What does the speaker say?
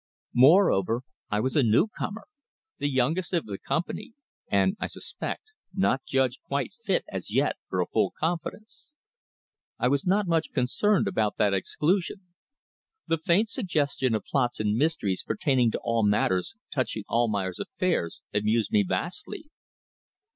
Moreover, I was a newcomer, the youngest of the company, and, I suspect, not judged quite fit as yet for a full confidence. I was not much concerned about that exclusion. The faint suggestion of plots and mysteries pertaining to all matters touching Almayer's affairs amused me vastly.